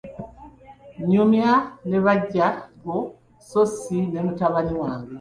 Nyumya ne baggya bo sso si ne mutabani wange.